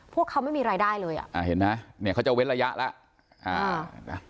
พวกเขาไม่มีรายได้เลยอ่ะอ่าเห็นไหมเนี่ยเขาจะเว้นระยะแล้ว